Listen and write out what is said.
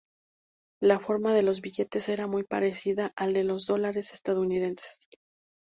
La forma de los billetes era muy parecida a la de los dólares estadounidenses.